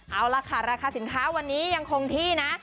เอาล่ะค่ะราคาสินค้าวันนี้ยังคงที่นะ